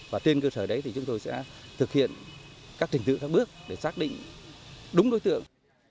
và trên cơ sở đấy thì chúng tôi sẽ thực hiện các trình tự các bước để xác định đúng đối tượng